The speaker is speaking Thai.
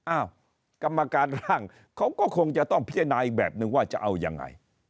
อ้าวกรรมการร่างเขาก็คงจะต้องพิจารณาอีกแบบนึงว่าจะเอายังไง